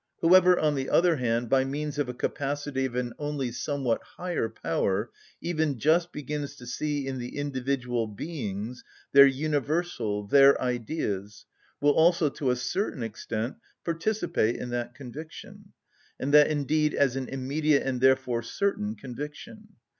Whoever, on the other hand, by means of a capacity of an only somewhat higher power, even just begins to see in the individual beings their universal, their Ideas, will also, to a certain extent, participate in that conviction, and that indeed as an immediate, and therefore certain, conviction.